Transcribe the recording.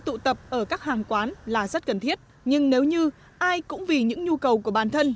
từ quán cà phê quán ăn cho đến quán nhậu